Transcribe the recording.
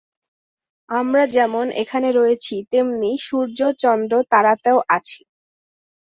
আমরা যেমন এখানে রয়েছি, তেমনি সূর্য, চন্দ্র, তারাতেও আছি।